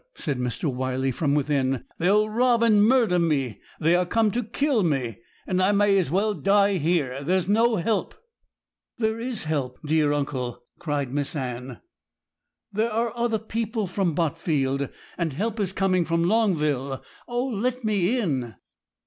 said Mr. Wyley from within; 'they will rob and murder me. They are come to kill me, and I may as well die here. There's no help.' 'There is help, dear uncle!' cried Miss Anne; 'there are other people from Botfield; and help is coming from Longville. Oh, let me in!'